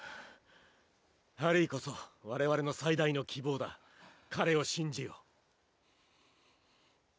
「ハリーこそ我々の最大の希望だ彼を信じよ」